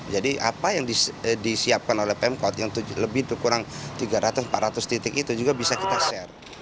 jadi apa yang disiapkan oleh pemkot yang lebih kurang tiga ratus empat ratus titik itu juga bisa kita share